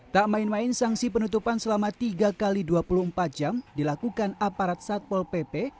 tak main main sanksi penutupan selama tiga x dua puluh empat jam dilakukan aparat satpol pp